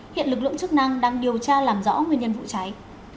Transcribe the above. hiện lực lượng chức năng đang điều tra làm rõ nguyên nhân vụ cháy